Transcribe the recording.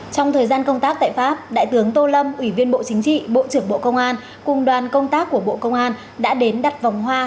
trong thời gian công tác tại pháp đại tướng tô lâm ủy viên bộ chính trị bộ trưởng bộ công an cùng đoàn công tác của bộ công an đã đến đặt vòng hoa